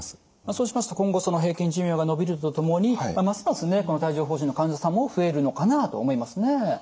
そうしますと今後平均寿命が延びるとともにますますね帯状ほう疹の患者さんも増えるのかなと思いますね。